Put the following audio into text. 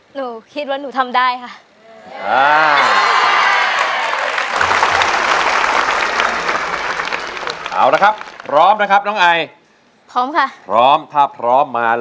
หนูคิดว่าหนูทำได้ค่ะ